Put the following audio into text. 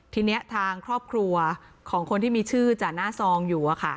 ทีนี้ทางครอบครัวของคนที่มีชื่อจ่าหน้าซองอยู่